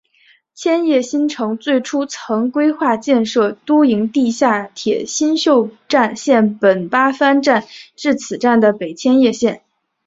千叶新城最初曾规划建设都营地下铁新宿线本八幡站至此站的北千叶线。